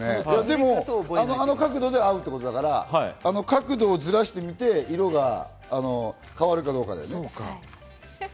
あの角度で合うってことだから、角度をズラしてみて色が変わるかどうかだよね。